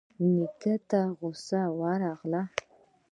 نيکه ته غوسه ورغله.